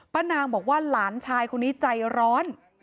นางบอกว่าหลานชายคนนี้ใจร้อน